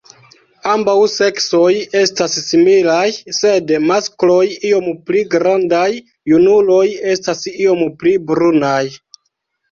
Ambaŭ seksoj estas similaj sed maskloj iom pli grandaj; junuloj estas iom pli brunaj.